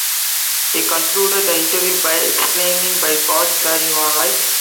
He concluded the interview by exclaiming By God, Sir, you are right.